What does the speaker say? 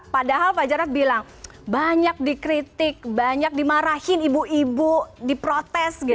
padahal pak jarod bilang banyak dikritik banyak dimarahin ibu ibu diprotes